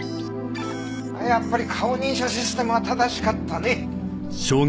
やっぱり顔認証システムは正しかったね。